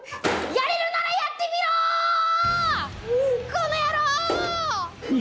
この野郎！